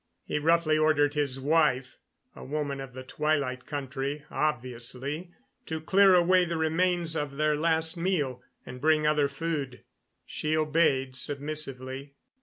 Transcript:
He roughly ordered his wife a woman of the Twilight Country, obviously to clear away the remains of their last meal and bring other food. She obeyed submissively.